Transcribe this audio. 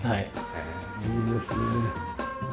へえいいですねえ。